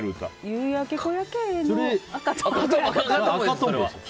夕焼け小焼けの。